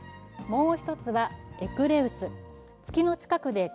もう一つは「エクレウス」。